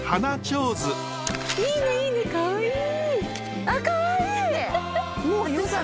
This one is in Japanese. いいねいいねかわいい。